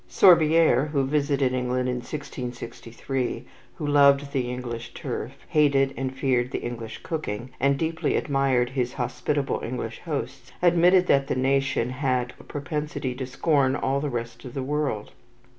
Sorbieres, who visited England in 1663, who loved the English turf, hated and feared the English cooking, and deeply admired his hospitable English hosts, admitted that the nation had "a propensity to scorn all the rest of the world."